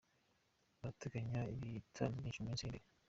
Barateganya ibitaramo byinshi mu minsi iri imbere.